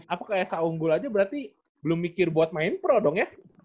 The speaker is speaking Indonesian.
apa kayak sa unggul aja berarti belum mikir buat main pro dong ya